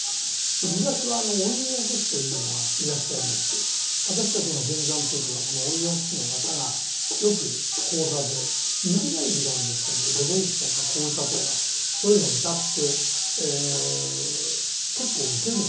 昔は音曲師というのがいらっしゃいまして私たちが前座の時はこの音曲師の方がよく高座で短い時間ですけど都々逸とか小唄とかそういうのをうたってえ結構受けるんですよね。